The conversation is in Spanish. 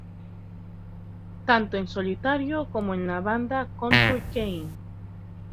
Tanto en solitario como en la banda Country Kane.